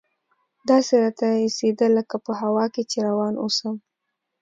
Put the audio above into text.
داسې راته اېسېده لکه په هوا کښې چې روان اوسم.